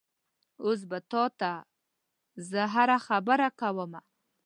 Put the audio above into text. اوس به تا ته زه هره خبره کومه؟